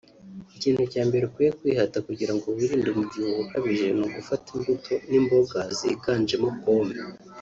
Ikintu cya mbere ukwiye kwihata kugira ngo wirinde umubyibuho ukabije ni ugufata imbuto n’imboga ziganjemo pomme